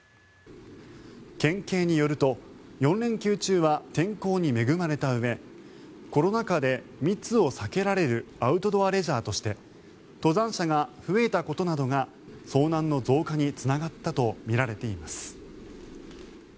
県警によると４連休中は天候に恵まれたうえコロナ禍で、密を避けられるアウトドアレジャーとして登山者が増えたことなどが遭難の増加につながったとみられています。